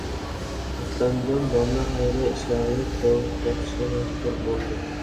Rustamjon domla xayriya ishlarini to‘xtatishga majbur bo‘ldi...